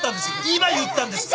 今言ったんです。